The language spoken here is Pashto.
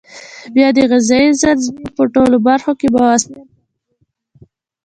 باید د غذایي ځنځیر په ټولو برخو کې مؤثر کنټرول وي.